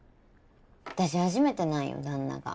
私初めてなんよ旦那が。